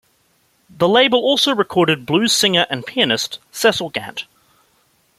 The label also recorded blues singer and pianist Cecil Gant.